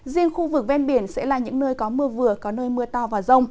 riêng khu vực ven biển sẽ là những nơi có mưa vừa có nơi mưa to và rông